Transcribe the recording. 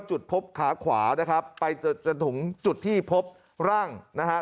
จุดพบขาขวานะครับไปจนถึงจุดที่พบร่างนะฮะ